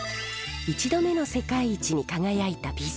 １度目の世界一に輝いたピザ。